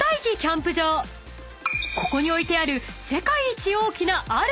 ［ここに置いてある］